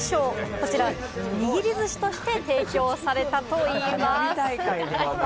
こちら、握りずしとして提供されたといいます。